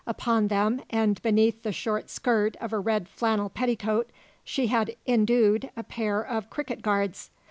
Upon them, and beneath the short skirt of a red flannel petticoat, she had indued a pair of cricket guards.